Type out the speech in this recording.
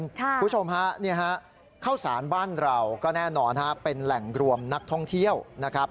คุณผู้ชมฮะข้าวสารบ้านเราก็แน่นอนเป็นแหล่งรวมนักท่องเที่ยวนะครับ